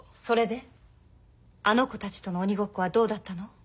それであの子たちとの鬼ごっこはどうだったの？